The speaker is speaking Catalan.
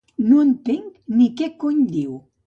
No entenc ni què cony diu.